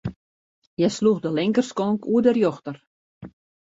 Hja sloech de linkerskonk oer de rjochter.